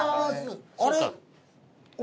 あれ？